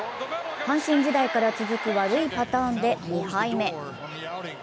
阪神時代から続く悪いパターンで２敗目。